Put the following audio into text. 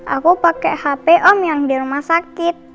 aku pakai hp om yang di rumah sakit